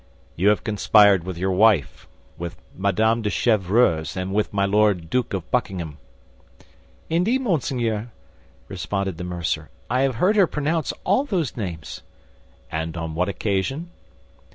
"You have conspired with your wife, with Madame de Chevreuse, and with my Lord Duke of Buckingham." "Indeed, monseigneur," responded the mercer, "I have heard her pronounce all those names." "And on what occasion?"